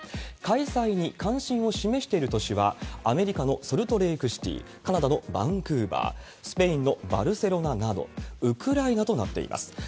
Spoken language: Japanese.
開催に関心を示している都市は、アメリカのソルトレークシティ、カナダのバンクーバー、スペインのバルセロナなど、ウクライナとなっています。